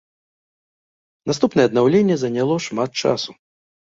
Наступнае аднаўленне заняло шмат часу.